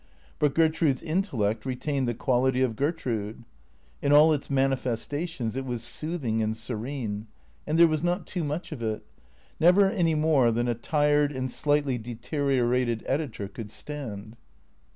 But Gertrude's intel lect retained the quality of Gertrude. In all its manifestations it was soothing and serene. And there was not too much of it — never any more than a tired and slighty deteriorated editor could stand.